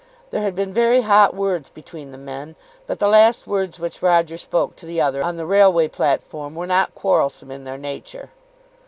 There had been very hot words between the men, but the last words which Roger spoke to the other on the railway platform were not quarrelsome in their nature.